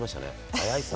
早いさ。